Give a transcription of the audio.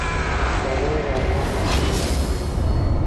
ښارونه د افغان ماشومانو د لوبو موضوع ده.